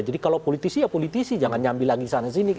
jadi kalau politisi ya politisi jangan nyambil lagi sana sini